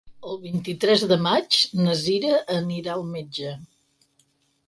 El vint-i-tres de maig na Cira anirà al metge.